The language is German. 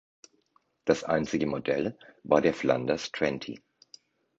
Das einzige Modell war der Flanders Twenty.